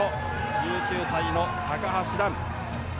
１９歳の高橋藍。